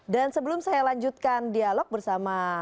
dan sebelum saya lanjutkan dialog bersama